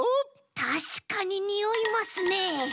たしかににおいますね。